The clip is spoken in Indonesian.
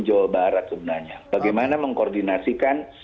jawa barat sebenarnya bagaimana mengkoordinasikan